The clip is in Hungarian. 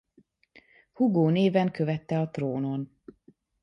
Hugó néven követte a trónon.